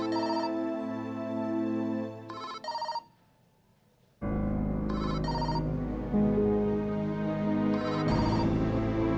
kak riana melepaskanituation